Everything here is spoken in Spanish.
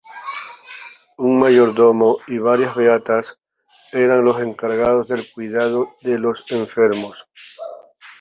Un mayordomo y varias beatas eran los encargados del cuidado de los enfermos.